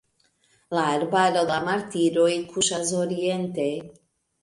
La arbaro de la martiroj kuŝas oriente.